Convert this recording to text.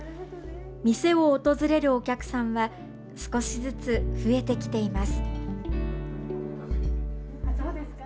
店を訪れるお客さんは少しずつ増えてきています。